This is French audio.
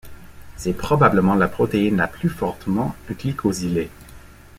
C’est probablement la protéine la plus fortement glycosylée.